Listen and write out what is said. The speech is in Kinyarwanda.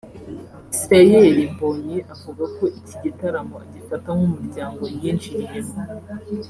Israel Mbonyi avuga ko iki gitaramo agifata nk’umuryango yinjiriyemo